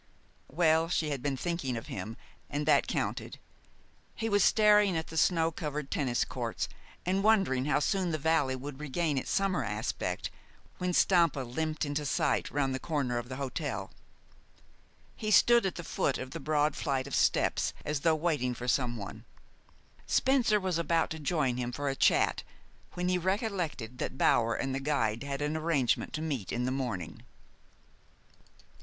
Well, she had been thinking of him, and that counted. He was staring at the snow covered tennis courts, and wondering how soon the valley would regain its summer aspect, when Stampa limped into sight round the corner of the hotel. He stood at the foot of the broad flight of steps, as though waiting for someone. Spencer was about to join him for a chat, when he recollected that Bower and the guide had an arrangement to meet in the morning.